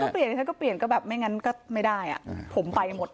ก็เปลี่ยนฉันก็เปลี่ยนก็แบบไม่งั้นก็ไม่ได้อ่ะผมไปหมด